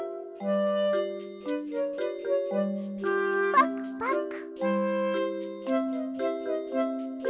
パクパク！